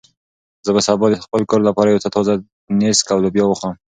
زه به سبا د خپل کور لپاره یو څه تازه نېسک او لوبیا واخلم.